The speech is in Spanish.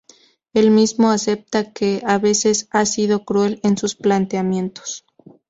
Él mismo acepta que, a veces, ha sido cruel en sus planteamientos.